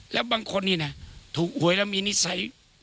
แล้วบางคนนี่นะถูกหวยแล้วมีนิสัย